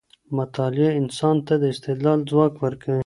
مطالعه انسان ته د استدلال ځواک ورکوي.